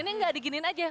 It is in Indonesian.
ini gak diginiin aja